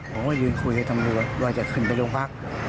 ผมก็ยืนคุยกับตำรวจว่าจะขึ้นไปโรงพัก